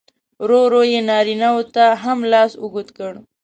ورو ورو یې نارینه و ته هم لاس اوږد کړ.